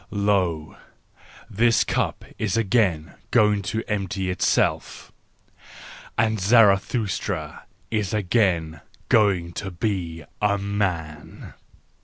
Lo! This cup is again going to empty itself, and Zarathustra is again going to be a man."